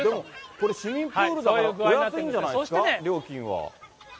これ、市民プールだからお安いんじゃないですか、料金は。